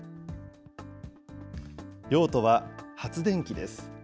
用途は発電機です。